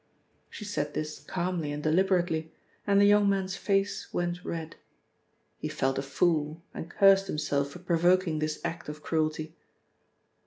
She said this calmly and deliberately, and the young man's face went red. He felt a fool, and cursed himself for provoking this act of cruelty.